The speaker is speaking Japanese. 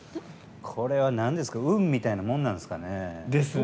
これは運みたいなもんなんですかね。